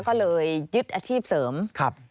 ก็เลยยึดอาชีพเสริม